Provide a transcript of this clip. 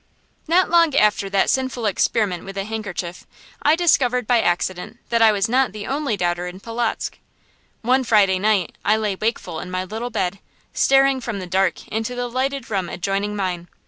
Not long after that sinful experiment with the handkerchief I discovered by accident that I was not the only doubter in Polotzk. One Friday night I lay wakeful in my little bed, staring from the dark into the lighted room adjoining mine.